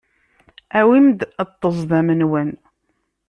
Awim-d ṭṭezḍam-nwen.